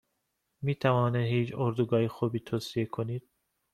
میتوانید هیچ اردوگاه خوبی توصیه کنید؟